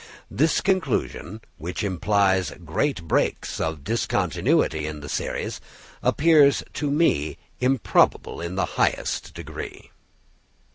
This conclusion, which implies great breaks or discontinuity in the series, appears to me improbable in the highest degree.